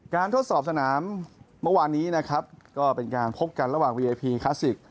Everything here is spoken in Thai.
ทดสอบสนามเมื่อวานนี้นะครับก็เป็นการพบกันระหว่างวีไอพีคลาสสิก